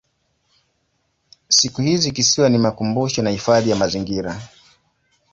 Siku hizi kisiwa ni makumbusho na hifadhi ya mazingira.